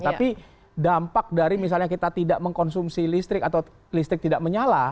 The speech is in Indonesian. tapi dampak dari misalnya kita tidak mengkonsumsi listrik atau listrik tidak menyala